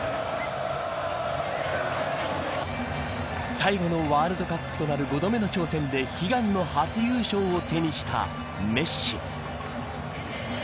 最後のワールドカップとなる５度目の挑戦で悲願の初優勝を手にしたメッシ。